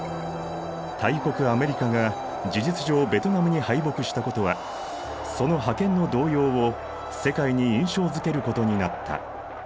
大国アメリカが事実上ベトナムに敗北したことはその覇権の動揺を世界に印象づけることになった。